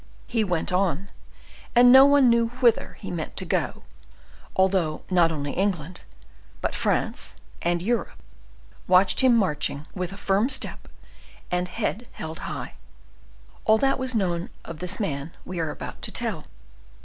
He went on, and no one knew whither he meant to go, although not only England, but France, and Europe, watched him marching with a firm step and head held high. All that was known of this man we are about to tell.